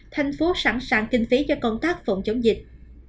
thành phố sẵn sàng kinh phí cho công tác phòng chống dịch